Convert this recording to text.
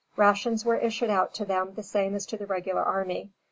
Rations were issued out to them the same as to the regular army.